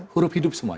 huruf hidup semua